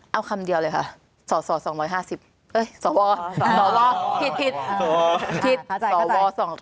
เอาคำเดียวเลยค่ะสส๒๕๐สวผิดผิด